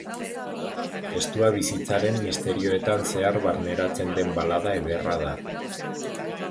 Testua bizitzaren misterioetan zehar barneratzen den balada ederra da.